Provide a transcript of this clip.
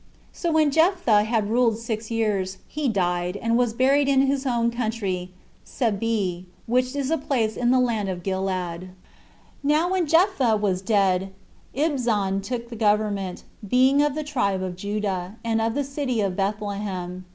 12. So when Jephtha had ruled six years, he died, and was buried in his own country, Sebee, which is a place in the land of Gilead. 13. Now when Jephtha was dead, Ibzan took the government, being of the tribe of Judah, and of the city of Bethlehem.